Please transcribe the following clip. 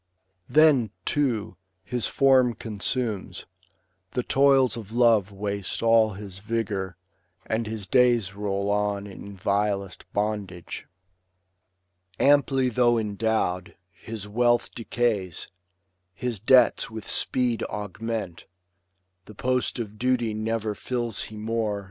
Then, too, his form consumes, the toils of love Waste all his vigour, and his days roll on In vilest bondage. Amply though endow'd, His wealth decays, his debts with speed augment. The post of duty never fills he more.